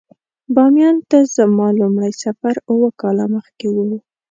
باميان ته زما لومړی سفر اووه کاله مخکې و.